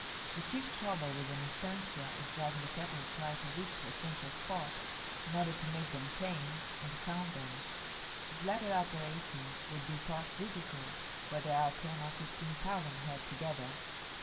The chief trouble with an estancia is driving the cattle twice a week to a central spot, in order to make them tame, and to count them. This latter operation would be thought difficult, where there are ten or fifteen thousand head together.